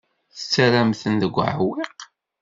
Tettarram-ten deg uɛewwiq.